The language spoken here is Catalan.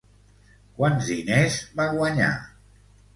Quants diners va guanyar?